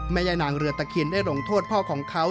แม่ยายนางเรือตะเคียนได้ลงโทษพ่อของเขา